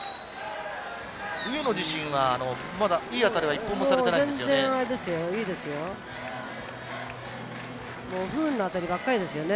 上野自身はまだいい当たりは１本もされてませんよね。